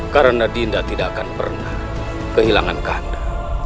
karena dinda tidak akan pernah kehilangan kak kanda